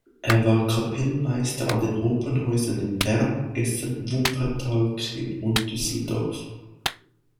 Er war Kapellmeister an den Opernhäusern in Bern, Essen, Wuppertal, Kiel und Düsseldorf.